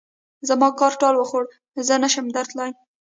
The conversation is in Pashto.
زما کار ټال وخوړ؛ زه نه شم درتلای.